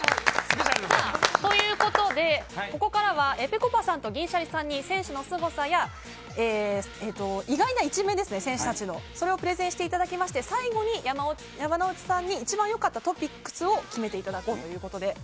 ここからはぺこぱさんと銀シャリさんに選手たちのすごさや意外な一面をプレゼンしていただきまして、最後に山之内さんに一番よかったトピックスを決めていただこうということです。